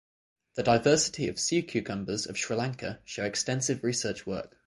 The diversity of sea cucumbers of Sri Lanka show extensive research work.